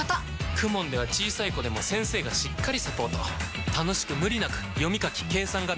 ＫＵＭＯＮ では小さい子でも先生がしっかりサポート楽しく無理なく読み書き計算が身につきます！